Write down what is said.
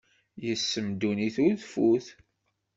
Yes-m dunnit ur tfut.